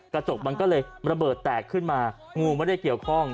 กระจกมันก็เลยระเบิดแตกขึ้นมางูไม่ได้เกี่ยวข้อง